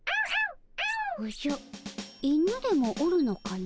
おじゃ犬でもおるのかの？